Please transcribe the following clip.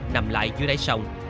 nằm lại dưới đáy sông